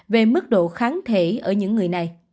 về mức độ kháng thể ở những người này